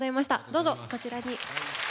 どうぞこちらに。